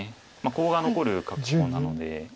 コウが残る格好なので。